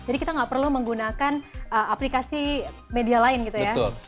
jadi kita gak perlu menggunakan aplikasi media lain gitu ya